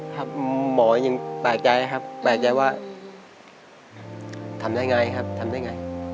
หมอยังตายใจนะครับตายใจว่าทำได้ไงครับทำได้ไง